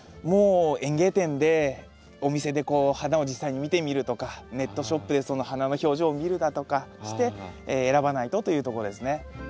もう園芸店でお店でこう花を実際に見てみるとかネットショップでその花の表情を見るだとかして選ばないとというとこですね。